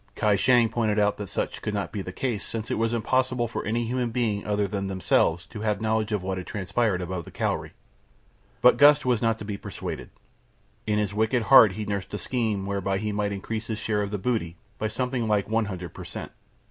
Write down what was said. Kai Shang pointed out that such could not be the case since it was impossible for any human being other than themselves to have knowledge of what had transpired aboard the Cowrie. But Gust was not to be persuaded. In his wicked heart he nursed a scheme whereby he might increase his share of the booty by something like one hundred per cent.